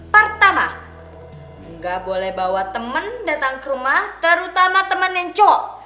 pertama gak boleh bawa temen datang ke rumah terutama temen yang cowok